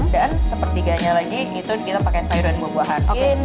dan sepertiganya lagi gitu kita pakai sayuran buah buahan